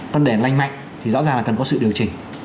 còn để lành mạnh thì rõ ràng là cần có sự điều chỉnh